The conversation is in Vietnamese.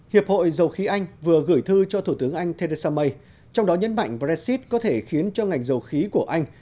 hiệp hội dầu khí anh vừa gửi thư cho thủ tướng anh theresa may trong đó nhấn mạnh brexit có thể khiến cho ngành dầu khí của anh